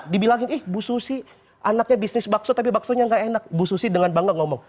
dibilangin ih bu susi anaknya bisnis bakso tapi baksonya nggak enak bu susi dengan bangga ngomong